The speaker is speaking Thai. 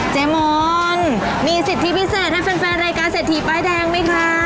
มอนมีสิทธิพิเศษให้แฟนรายการเศรษฐีป้ายแดงไหมคะ